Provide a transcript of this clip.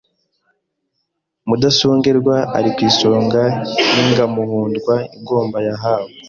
Mudasongerwa ari ku isonga y’inga Muhundwa ingoma yahawe